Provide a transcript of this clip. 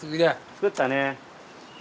作ったね。